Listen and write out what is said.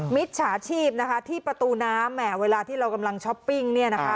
มิจฉาชีพนะคะที่ประตูน้ำแห่เวลาที่เรากำลังช้อปปิ้งเนี่ยนะคะ